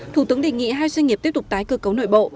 thủ tướng đề nghị hai doanh nghiệp tiếp tục tái cơ cấu nội bộ